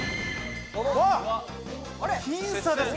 僅差ですね。